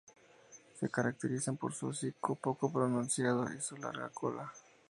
Se caracterizan por su hocico poco pronunciado y su larga cola.